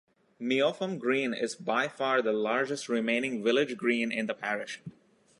"Meopham Green" is by far the largest remaining village green in the parish.